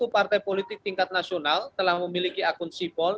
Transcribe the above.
satu partai politik tingkat nasional telah memiliki akun sipol